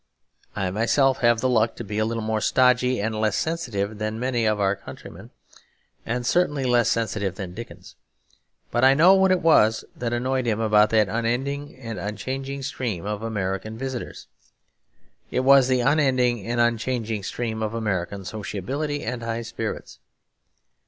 I myself have the luck to be a little more stodgy and less sensitive than many of my countrymen; and certainly less sensitive than Dickens. But I know what it was that annoyed him about that unending and unchanging stream of American visitors; it was the unending and unchanging stream of American sociability and high spirits.